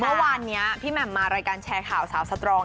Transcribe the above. เมื่อวานนี้พี่แหม่มมารายการแชร์ข่าวสาวสตรอง